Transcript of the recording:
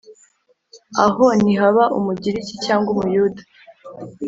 Aho ntihaba Umugiriki cyangwa Umuyuda